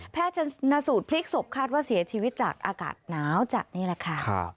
ชนสูตรพลิกศพคาดว่าเสียชีวิตจากอากาศหนาวจัดนี่แหละค่ะ